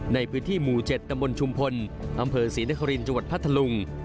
ในพื้นที่หมู่๗ตำบลชุมพลอำเภอศรีนครินทร์จังหวัดพัทธลุง